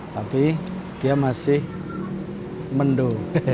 tapi dia masih mendo